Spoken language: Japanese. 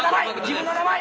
自分の名前！